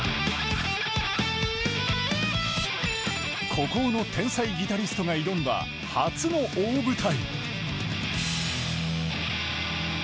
孤高の天才ギタリストが挑んだ初の大舞台。